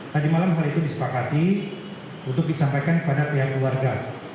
tadi malam hal itu disepakati untuk disampaikan kepada pihak keluarga